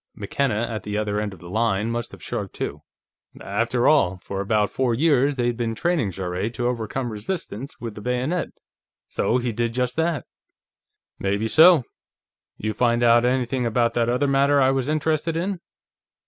McKenna, at the other end of the line, must have shrugged, too. "After all, for about four years, they'd been training Jarrett to overcome resistance with the bayonet, so he did just that." "Maybe so. You find out anything about that other matter I was interested in?"